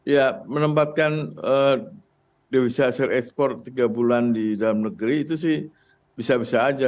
ya menempatkan devisa hasil ekspor tiga bulan di dalam negeri itu sih bisa bisa aja